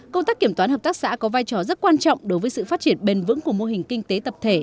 công tác kiểm toán hợp tác xã có vai trò rất quan trọng đối với sự phát triển bền vững của mô hình kinh tế tập thể